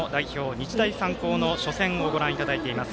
日大三高の初戦をご覧いただいています。